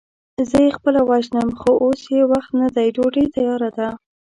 زه يې خپله وژنم، خو اوس يې وخت نه دی، ډوډۍ تياره ده.